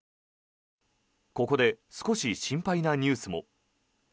ここで少し心配なニュースも。